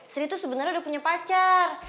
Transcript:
sri tuh sebenernya udah punya pacar